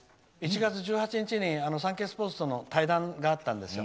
その日に、サンケイスポーツとの対談があったんですよ。